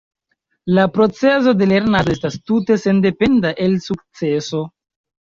La procezo de lernado estas tute sendependa el sukceso.